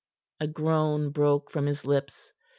A groan broke from his lips.